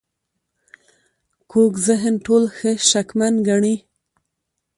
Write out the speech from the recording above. کوږ ذهن ټول ښه شکمن ګڼي